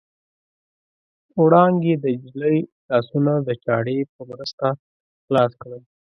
وړانګې د نجلۍ لاسونه د چاړې په مرسته خلاص کړل.